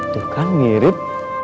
tuh kan mirip